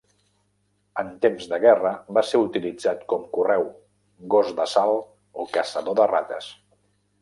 En temps de guerra va ser utilitzat com correu, gos d'assalt o caçador de rates.